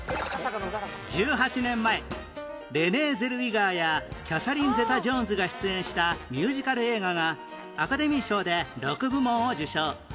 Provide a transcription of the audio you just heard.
１８年前レネー・ゼルウィガーやキャサリン・ゼタ＝ジョーンズが出演したミュージカル映画がアカデミー賞で６部門を受賞